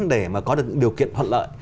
để mà có được những điều kiện hoạt lợi